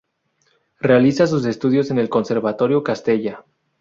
Realiza sus estudios en el Conservatorio Castella.